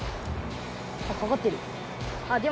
あっかかってる。